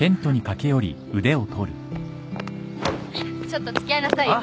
ちょっと付き合いなさいよ。